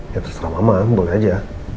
ya terserah mama boleh aja